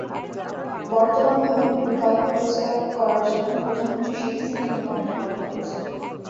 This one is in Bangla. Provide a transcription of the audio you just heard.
বর্তমান ভবনের বিকল্প প্রস্তাব করার জন্য প্রধানমন্ত্রী শেখ হাসিনা একটি কমিটি গঠন করেছেন।